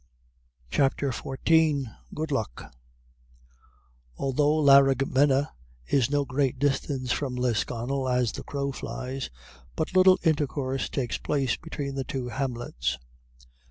CHAPTER XIV GOOD LUCK Although Laraghmena is no great distance from Lisconnel as the crow flies, but little intercourse takes place between the two hamlets.